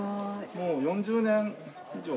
もう４０年以上。